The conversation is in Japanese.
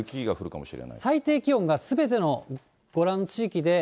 最低気温がすべてのご覧の地